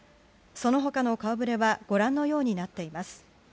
その他の顔ぶれはご覧のようになっています。